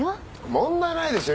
問題ないですよ。